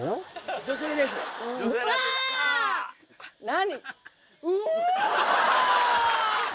何？